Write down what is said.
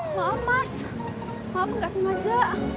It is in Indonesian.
maaf mas maaf enggak sengaja